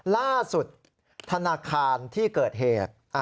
ล่าสุดธนาคารที่เกิดเหตุ